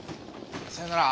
さようなら。